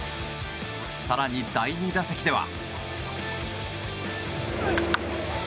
更に第２打席では。